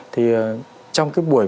thì trong cái buổi